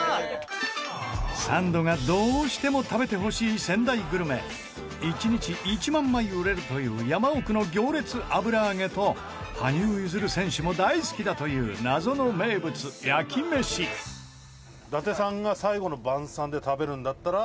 サンドがどうしても食べてほしい仙台グルメ１日１万枚売れるという山奥の行列、あぶらあげと羽生結弦選手も大好きだという謎の名物、焼きめし富澤：伊達さんが最後の晩餐で食べるんだったら？